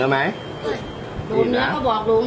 มันจะเจ็บไง